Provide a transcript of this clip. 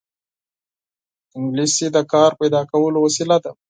انګلیسي د کار پیدا کولو وسیله ده